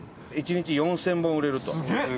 １日４０００本売れると。